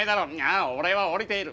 ああ俺は降りている。